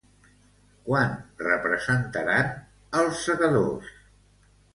Quan representaran "Els segadors"?